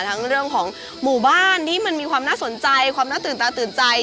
ทั้งเรื่องของหมู่บ้านที่มันมีความน่าสนใจความน่าตื่นตาตื่นใจ